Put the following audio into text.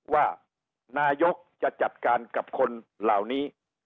ว่านายกจะจัดการกับคนเหล่านี้